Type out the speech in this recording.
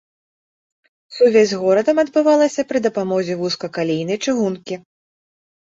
Сувязь з горадам адбывалася пры дапамозе вузкакалейнай чыгункі.